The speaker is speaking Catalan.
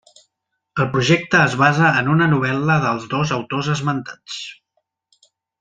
El projecte es basa en una novel·la dels dos autors esmentats.